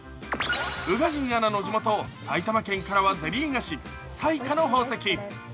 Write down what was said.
宇賀神アナの地元・埼玉県からはゼリー菓子、彩果の宝石。